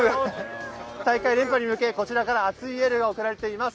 大会連覇に向け、こちらから熱いエールが送られています。